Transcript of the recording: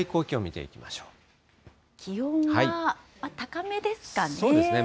気温は高めですかね。